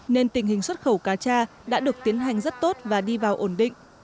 nên tình hình xuất khẩu cá cha đã được tiến hành rất tốt và đi vào ổn định